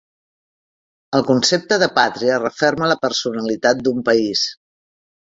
El concepte de pàtria referma la personalitat d'un país.